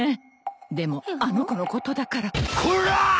でもあの子のことだからこらぁ！